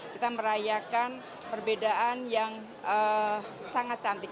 kita merayakan perbedaan yang sangat cantik